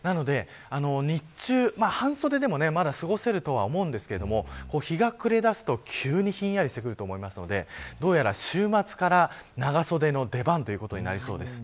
日中、半袖でもまだ過ごせると思うんですけど日が暮れだすと急にひんやりしてくると思いますのでどうやら週末から、長袖の出番ということになりそうです。